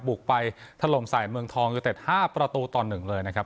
บุกไปทะลมสายเมืองทองยูนเต็ดห้าประตูตอนหนึ่งเลยนะครับ